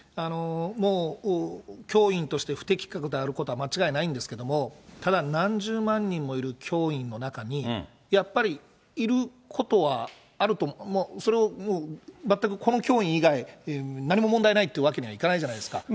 もう教員として不適格であることは間違いないんですけれども、ただ、何十万人もいる教員の中に、やっぱり、いることはあると、それを全く、この教員以外何も問題ないっていうわけにいかないじゃないですか。